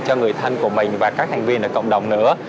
cho người thân của mình và các thành viên ở cộng đồng nữa